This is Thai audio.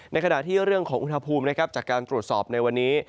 ในขณะที่เรื่องของอุณหภูมินะครับจากการตรวจสอบในวันนี้